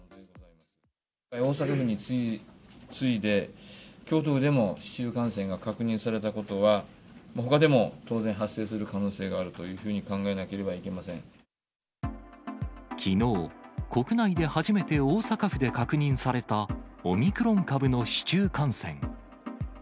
大阪府に次いで、京都府でも市中感染が確認されたことは、ほかでも当然発生する可能性があるというふうに考えなければいけきのう、国内で初めて大阪府で確認されたオミクロン株の市中感染。